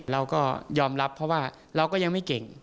เราก็ยอมรับเพราะว่าเราก็ยังไม่เก่ง